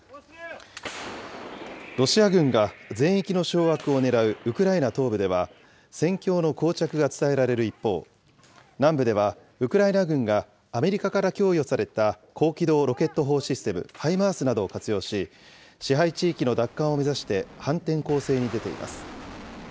ロシア軍が全域の掌握を狙うウクライナ東部では、戦況のこう着が伝えられる一方、南部ではウクライナ軍がアメリカから供与された高機動ロケット砲システム・ハイマースなどを活用し、支配地域の奪還を目指して反転攻勢に出ています。